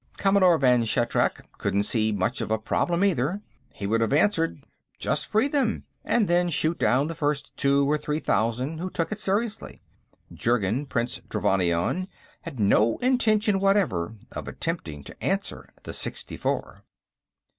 Commodore Vann Shatrak couldn't see much of a problem, either. He would have answered, Just free them, and then shoot down the first two or three thousand who took it seriously. Jurgen, Prince Trevannion, had no intention whatever of attempting to answer the sixtifor.